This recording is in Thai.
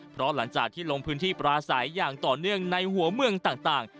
เพราะหลังจากที่ลงพื้นที่ปราศัยอย่างต่อเนื่องในหัวเมืองต่าง